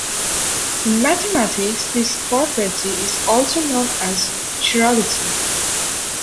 In mathematics, this property is also known as chirality.